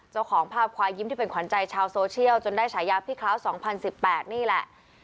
เจ้าของภาพควายยิ้มที่เป็นขวัญใจชาวโซเชียลจนได้ฉายาพี่คล้าว๒๐๑๘นี่แหละ